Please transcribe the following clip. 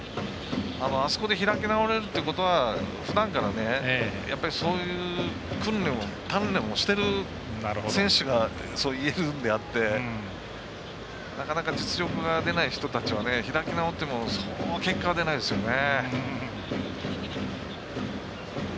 あそこで開き直れるということはふだんからそういう鍛練をしてる選手がそう言えるのであってなかなか、実力が出ない人たちは開き直ってもそう結果は出ないですよね。